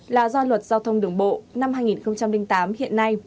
là do luật giao thông đường bộ năm hai nghìn tám hiện nay